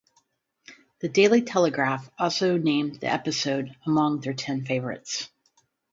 "The Daily Telegraph" also named the episode among their ten favorites.